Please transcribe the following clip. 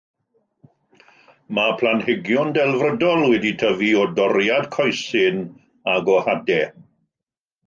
Mae planhigion delfrydol wedi'u tyfu o doriad coesyn ac o hadau.